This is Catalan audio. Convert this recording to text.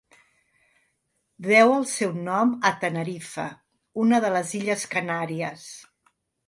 Deu el seu nom a Tenerife, una de les Illes Canàries.